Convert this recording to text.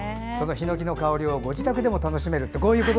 ひのきの香りをご自宅でも楽しめると。